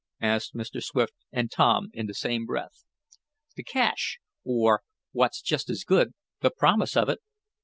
asked Mr. Swift and Tom in the same breath. "The cash, or, what's just as good, the promise of it.